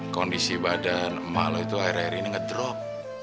kondisi badan mak lo itu akhir akhir ini ngedrop